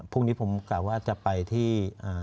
พรุ่งนี้ผมกล่าวว่าจะไปที่